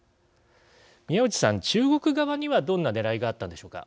宮内さん、中国側にはどんなねらいがあったんでしょうか。